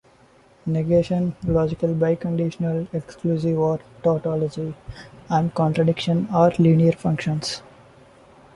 Negation, Logical biconditional, exclusive or, tautology, and contradiction are linear functions.